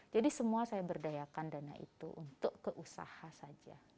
jadi semua saya berdayakan dana itu untuk keusahaan saja